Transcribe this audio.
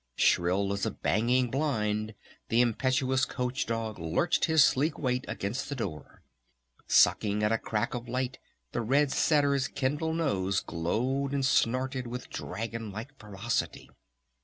Shrill as a banging blind the impetuous coach dog lurched his sleek weight against the door. Sucking at a crack of light the red setter's kindled nose glowed and snorted with dragonlike ferocity.